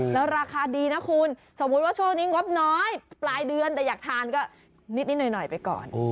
แล้วราคาดีนะคุณสมมุติว่าช่วงนี้งบน้อยปลายเดือนแต่อยากทานก็นิดหน่อยไปก่อน